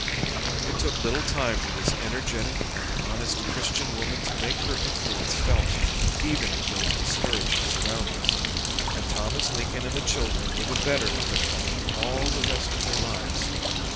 It took little time for this energetic and honest Christian woman to make her influence felt, even in those discouraging surroundings, and Thomas Lincoln and the children were the better for her coming all the rest of their lives.